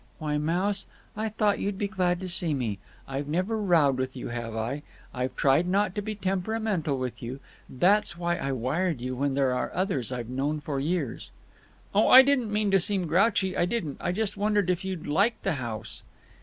"Why, Mouse! I thought you'd be glad to see me. I've never rowed with you, have I? I've tried not to be temperamental with you. That's why I wired you, when there are others I've known for years." "Oh, I didn't mean to seem grouchy; I didn't! I just wondered if you'd like the house."